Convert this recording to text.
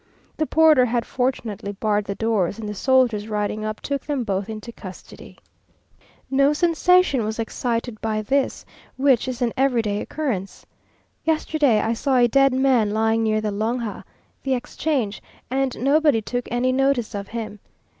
The porter had, fortunately, barred the doors, and the soldiers riding up, took them both into custody. No sensation was excited by this, which is an everyday occurrence. Yesterday I saw a dead man lying near the Longa (the Exchange) and nobody took any notice of him.